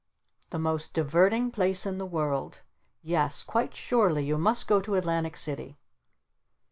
The most diverting place in the world! Yes quite surely you must go to Atlantic City!"